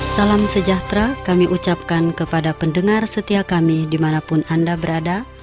salam sejahtera kami ucapkan kepada pendengar setia kami dimanapun anda berada